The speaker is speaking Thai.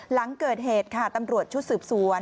หลังเกิดเหตุค่ะตำรวจชุดสืบสวน